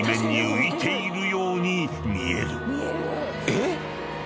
えっ